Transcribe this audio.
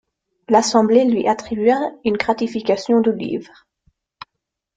L’Assemblée lui attribua une gratification de livres.